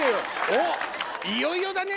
おっいよいよだね！